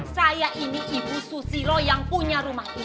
saya ini ibu susilo yang punya rumah ini